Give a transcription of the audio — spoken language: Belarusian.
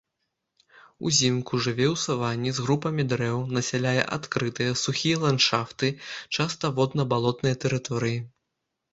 Узімку жыве ў саванне з групамі дрэў, насяляе адкрытыя, сухія ландшафты, часта водна-балотныя тэрыторыі.